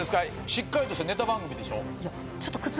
しっかりとしたネタ番組でしょ。